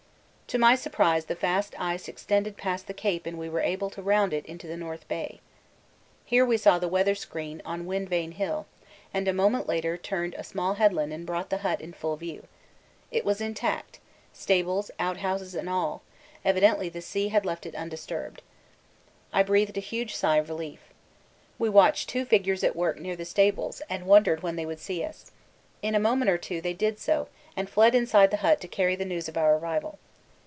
To my surprise the fast ice extended past the Cape and we were able to round it into the North Bay. Here we saw the weather screen on Wind Vane Hill, and a moment later turned a small headland and brought the hut in full view. It was intact stables, outhouses and all; evidently the sea had left it undisturbed. I breathed a huge sigh of relief. We watched two figures at work near the stables and wondered when they would see us. In a moment or two they did so, and fled inside the hut to carry the news of our arrival.